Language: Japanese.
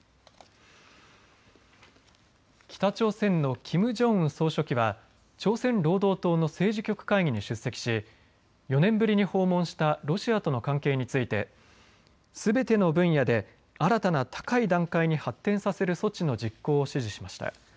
北朝鮮のキム・ジョンウン総書記は朝鮮労働党の政治局会議に出席し、４年ぶりに訪問したロシアとの関係についてすべての分野で新たな高い段階に発展させる措置の実行を指示しました。